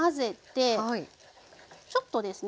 ちょっとですね